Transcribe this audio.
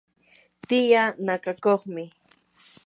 tiyaa nakakuqmi.